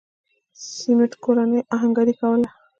سمېت کورنۍ اهنګري کوله.